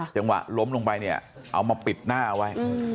จังหวะล้มลงไปเนี่ยเอามาปิดหน้าไว้